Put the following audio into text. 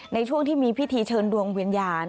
ในช่วงที่มีพิธีเชิญดวงวิญญาณ